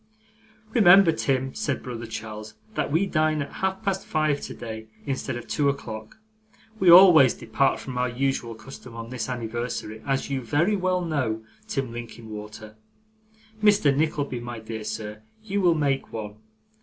'Remember, Tim,' said brother Charles, 'that we dine at half past five today instead of two o'clock; we always depart from our usual custom on this anniversary, as you very well know, Tim Linkinwater. Mr. Nickleby, my dear sir, you will make one.